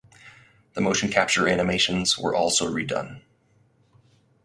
The motion capture animations were also redone.